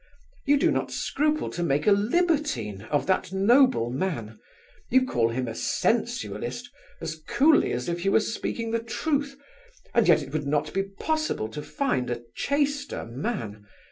You do not scruple to make a libertine of that noble man; you call him a sensualist as coolly as if you were speaking the truth, and yet it would not be possible to find a chaster man.